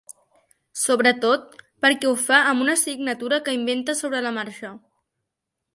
Sobretot perquè ho fa amb una signatura que inventa sobre la marxa.